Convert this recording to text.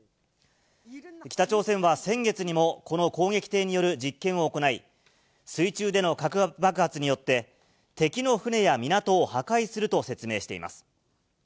北朝鮮は先月にも、この攻撃艇による実験を行い、水中での核爆発によって、敵の船や港を破壊すると説明しています。